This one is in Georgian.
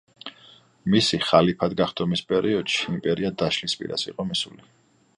მისი ხალიფად გახდომის პერიოდში იმპერია დაშლის პირას იყოს მისული.